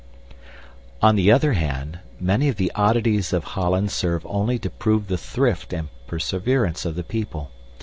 On the other hand, many of the oddities of Holland serve only to prove the thrift and perseverance of the people.